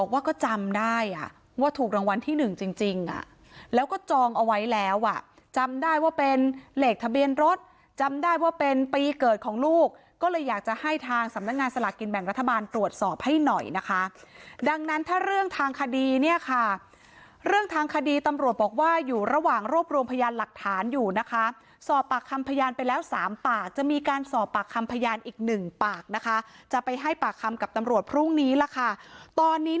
ว่าก็จำได้อ่ะว่าถูกรางวัลที่หนึ่งจริงจริงอ่ะแล้วก็จองเอาไว้แล้วอ่ะจำได้ว่าเป็นเหล็กทะเบียนรถจำได้ว่าเป็นปีเกิดของลูกก็เลยอยากจะให้ทางสำนักงานสลักกิจแบ่งรัฐบาลตรวจสอบให้หน่อยนะคะดังนั้นถ้าเรื่องทางคดีเนี่ยค่ะเรื่องทางคดีตำรวจบอกว่าอยู่ระหว่างรวบรวมพยานหลักฐาน